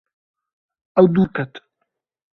Ew dûr ket.